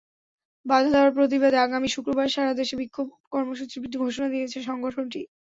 বাধা দেওয়ার প্রতিবাদে আগামী শুক্রবার সারা দেশে বিক্ষোভ কর্মসূচির ঘোষণা দিয়েছে সংগঠনটি।